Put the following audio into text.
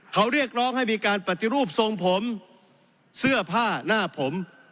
เขาเรียกร้องให้มีการปฏิรูปทรงผมเสื้อผ้าหน้าผม